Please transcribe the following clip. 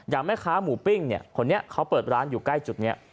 แม่ค้าหมูปิ้งเนี่ยคนนี้เขาเปิดร้านอยู่ใกล้จุดนี้